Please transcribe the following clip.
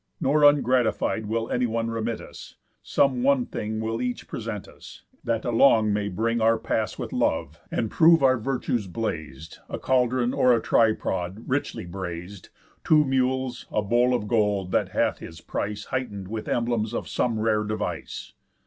Nor ungratified Will anyone remit us; some one thing Will each present us, that along may bring Our pass with love, and prove our virtues blaz'd: A caldron, or a tripod, richly braz'd, Two mules, a bowl of gold, that hath his price Heighten'd with emblems of some rare device."